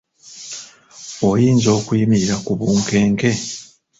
Oyinza okuyimirira ku bunkenke?